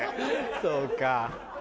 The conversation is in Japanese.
そうか。